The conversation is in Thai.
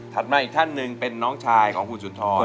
มาอีกท่านหนึ่งเป็นน้องชายของคุณสุนทร